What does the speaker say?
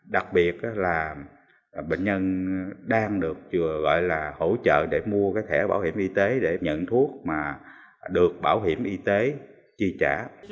đặc biệt là bệnh nhân đang được gọi là hỗ trợ để mua cái thẻ bảo hiểm y tế để nhận thuốc mà được bảo hiểm y tế chi trả